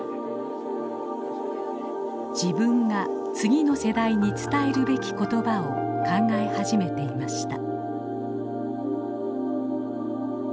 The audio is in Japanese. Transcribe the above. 自分が次の世代に伝えるべき言葉を考え始めていました。